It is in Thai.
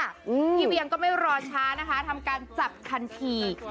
พี่เวียงก็ไม่รอช้านะคะทำการจับทันที